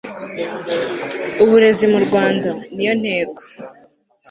uburezi mu rwanda niyo ntego